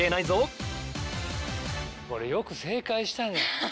これよく正解したね。